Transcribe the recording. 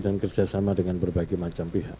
dan kerjasama dengan berbagai macam pihak